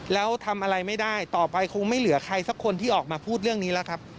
แล้วทำอะไรไม่ได้ต่อไปคงไม่เหลือใครสักคนที่ออกมาพูดเรื่องนี้แล้วครับ